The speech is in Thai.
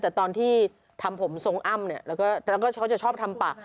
แต่เมื่อก็จะชอบทำถ้า